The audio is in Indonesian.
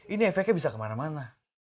ini efeknya bisa kemana mana